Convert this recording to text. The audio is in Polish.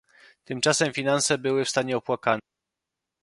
"Tymczasem finanse były w stanie opłakanym."